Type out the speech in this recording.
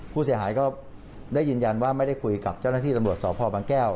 ผู้เสียหายก็ได้ยืนยันว่าไม่ได้คุยกับเจ้าหน้าที่ตำรวจสพบางแก้ว